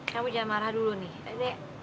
kamu jangan marah dulu nih